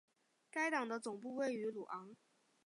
该党的总部位于鲁昂。